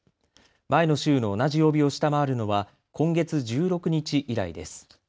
前の週の同じ曜日を下回るのは今月１６日以来です。